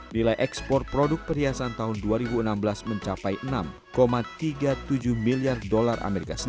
nilai ekspor produk perhiasan tahun dua ribu enam belas mencapai enam tiga puluh tujuh miliar dolar as